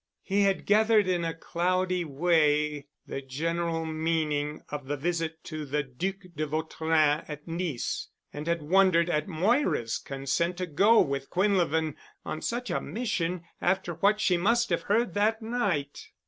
He had gathered in a cloudy way the general meaning of the visit to the Duc de Vautrin at Nice and had wondered at Moira's consent to go with Quinlevin on such a mission after what she must have heard that night.